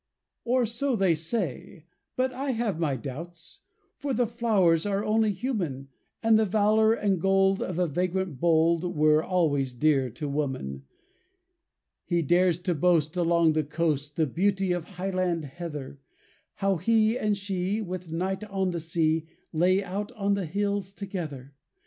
Or, so they say! But I have my doubts; For the flowers are only human, And the valor and gold of a vagrant bold Were always dear to woman. He dares to boast, along the coast, The beauty of Highland Heather, How he and she, with night on the sea, Lay out on the hills together.